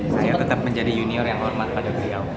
saya tetap menjadi junior yang hormat pada beliau